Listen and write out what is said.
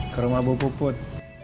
ke rumah bu puput